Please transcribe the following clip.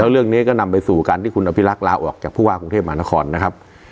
เรื่องนี้ก็นำไปสู่การที่คุณอภิรักษ์ลาออกจากผู้ว่ากรุงเทพมหานครนะครับ